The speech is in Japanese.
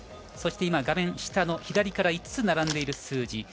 そして今画面下の左から５つ並んでいる数字。